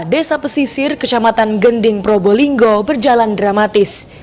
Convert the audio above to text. desa pesisir kecamatan gending probolinggo berjalan dramatis